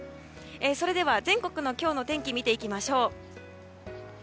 それでは全国の今日の天気を見ていきましょう。